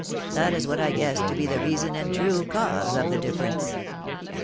That is what I guess to be the reason and true cause of the difference."